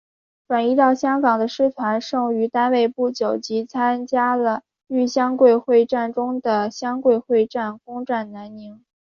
转移到香港的师团剩余单位不久即参加了豫湘桂会战中的湘桂会战攻占南宁。